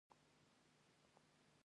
ستا څو ورونه دي